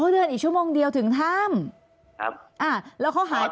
เดือนอีกชั่วโมงเดียวถึงถ้ำครับอ่าแล้วเขาหายไป